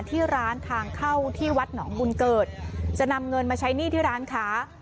ที่ร้านทางเข้าที่วัดหนองบุญเกิดจะนำเงินมาใช้หนี้ที่ร้านค้า